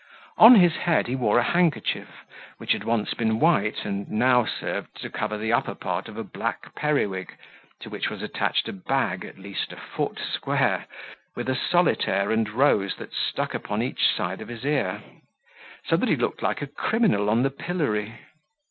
On his head he wore a handkerchief, which had once been white, and now served to cover the upper part of a black periwig, to which was attached a bag at least a foot square, with a solitaire and rose that stuck upon each side of his ear; so that he looked like a criminal on the pillory.